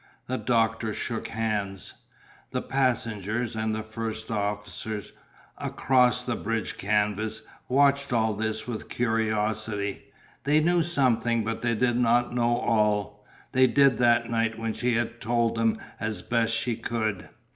The doctor shook hands. The passengers, and the first officer, across the bridge canvas, watched all this with curiosity. They knew something but they did not know all. They did that night when she had told them as best she could.